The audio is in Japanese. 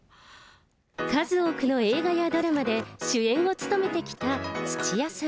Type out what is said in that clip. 数多くの映画やドラマで、主演を務めてきた土屋さん。